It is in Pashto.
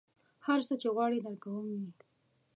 هر څه چې غواړې درکوم یې.